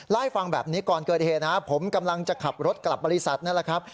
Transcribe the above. เล่าให้ฟังแบบนี้ก่อนเกิดเหตุนะผมกำลังจะขับรถกลับบริษัทนั่นแหละครับ